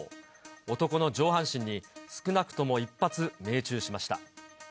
男の上半身に少なくとも１発命中しました。